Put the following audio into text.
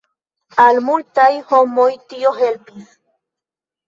Al multaj homoj tio helpis.